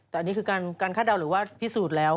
แต่อันนี้คือการคาดเดาหรือว่าพิสูจน์แล้ว